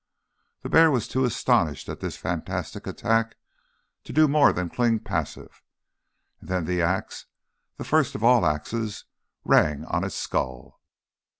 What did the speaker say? The bear was too astonished at this fantastic attack to do more than cling passive. And then the axe, the first of all axes, rang on its skull.